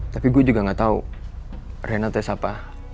tapi gua juga ga tau rina tes apa